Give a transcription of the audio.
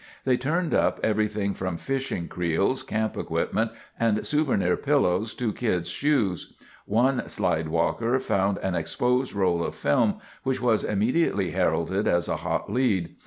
They turned up everything from fishing creels, camp equipment, and souvenir pillows to kids' shoes. One slide walker found an exposed roll of film which was immediately heralded as a hot lead.